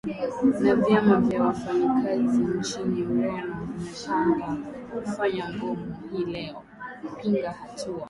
na vyama vya wafanyakazi nchini ureno vimepanga kufanya mgomo hii leo kupinga hatua